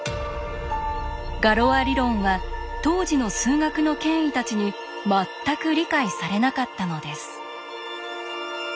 ガロア理論は当時の数学の権威たちに全く理解されなかったのです。